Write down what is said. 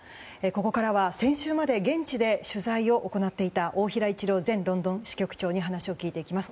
ここからは先週まで現地で取材を行っていた大平一郎前ロンドン支局長に話を聞いていきます。